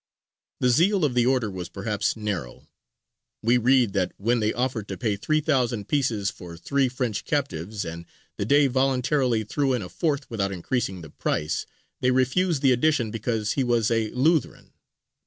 The zeal of the Order was perhaps narrow: we read that when they offered to pay 3,000 pieces for three French captives, and the Dey voluntarily threw in a fourth without increasing the price, they refused the addition because he was a Lutheran.